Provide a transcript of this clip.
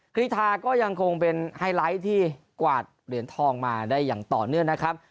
กรีธาก็ยังคงเป็นไฮไลท์ที่กวาดเหรียญทองมาได้อย่างต่อเนื่องนะครับ